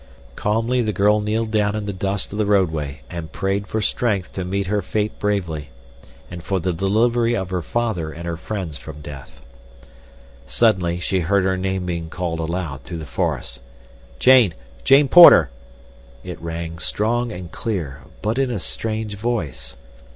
Calmly the girl kneeled down in the dust of the roadway and prayed for strength to meet her fate bravely, and for the delivery of her father and her friends from death. Suddenly she heard her name being called aloud through the forest: "Jane! Jane Porter!" It rang strong and clear, but in a strange voice.